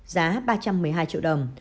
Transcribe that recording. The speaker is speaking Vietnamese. giá ba trăm một mươi hai triệu đồng